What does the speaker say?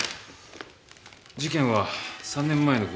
事件は３年前の冬